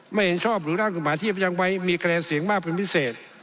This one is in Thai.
ไม่เห็นชอบหรือร่างกฎหมายที่ยังไว้มีคะแนนเสียงมากเป็นพิเศษ